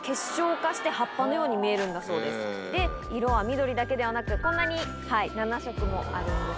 で色は緑だけではなくこんなに７色もあるんです。